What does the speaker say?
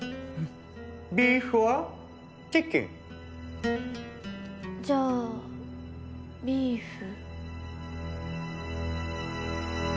ビーフオアチキン？じゃあビーフ。